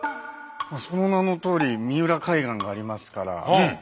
その名のとおり三浦海岸がありますから。